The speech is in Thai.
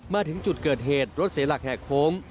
มาถึงจุดเกิดเหตุรถเสียหลักแหกโค้ง